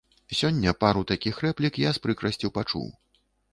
Сёння пару такіх рэплік я з прыкрасцю пачуў.